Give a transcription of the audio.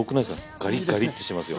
ガリガリってしてますよ。